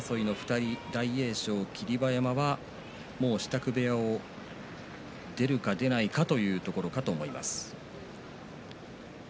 もうそろそろ優勝争いの２人大栄翔と霧馬山はもう支度部屋を出るか出ないかというところかと思います。